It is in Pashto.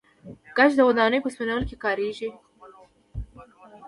ګچ د ودانیو په سپینولو کې کاریږي.